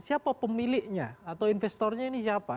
siapa pemiliknya atau investornya ini siapa